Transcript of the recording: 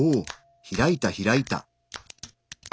開いた開いた！